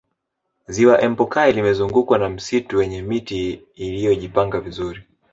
ziwa empokai limezungukwa na msitu wenye miti iliyojipanga vizuri